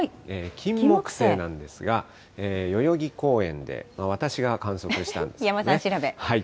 キンモクセイなんですが、代々木公園で、私が観測したんですね。